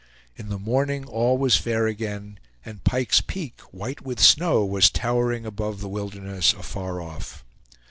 In the morning all was fair again, and Pike's Peak, white with snow, was towering above the wilderness afar off.